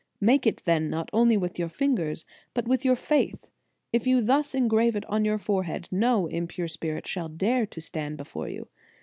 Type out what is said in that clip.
Make it then not only with your fingers, but with your faith. If you thus engrave it on your fore head, no impure spirit shall dare to stand before you.